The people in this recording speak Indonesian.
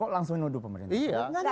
kok langsung nuduh pemerintah